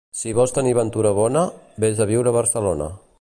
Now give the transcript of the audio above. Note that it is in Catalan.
Si vols tenir ventura bona, ves a viure a Barcelona.